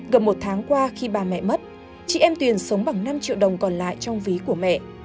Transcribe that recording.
gần một tháng qua khi bà mẹ mất chị em tuyền sống bằng năm triệu đồng còn lại trong ví của mẹ